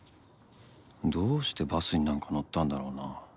どうしてバスになんか乗ったんだろうな。